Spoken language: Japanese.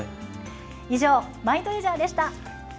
以上、マイトレジャーでした。